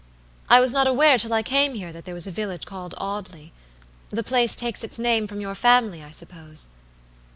I was not aware till I came here that there was a village called Audley. The place takes its name from your family, I suppose?"